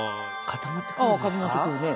固まってくるね。